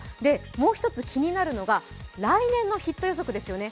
もう一つ気になるのが来年のヒット予測ですね